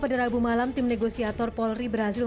peragama ter phillips tech fund ini telah seperti waking experiment